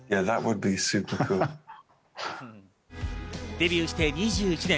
デビューして２１年。